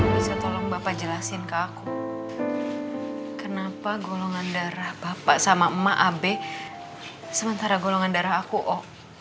bisa tolong bapak jelasin ke aku kenapa golongan darah bapak sama emak abe sementara golongan darah aku oh